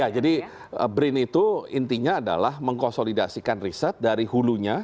ya jadi brin itu intinya adalah mengkonsolidasikan riset dari hulunya